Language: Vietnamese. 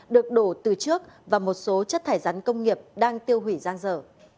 được đổ từ trước và một số chất thải rắn công nghiệp đang tiêu hủy giang dở